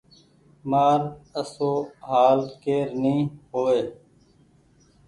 مآر آسو هآل ڪير ني هووي۔